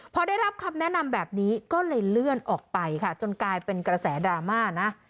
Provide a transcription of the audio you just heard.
พอได้รับคำแนะนำแบบนี้ก็เลยเลื่อนออกไปค่ะจนกลายเป็นกระแสดราม่านะ